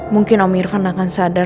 mungkin om irfan akan sadar